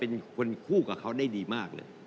เป็นคนคู่กับเขาได้ดีมากเลย